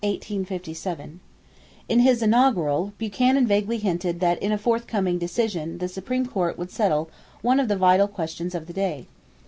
= In his inaugural, Buchanan vaguely hinted that in a forthcoming decision the Supreme Court would settle one of the vital questions of the day.